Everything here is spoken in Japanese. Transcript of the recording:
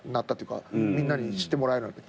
みんなに知ってもらえるようになって。